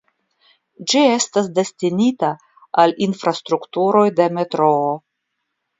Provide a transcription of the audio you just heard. Ĝi estas destinita al infrastrukturoj de metroo.